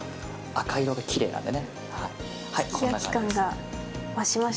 赤い色できれいなので。